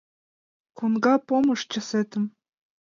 Коҥга помыш чесетым